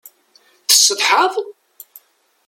Tessetḥaḍ?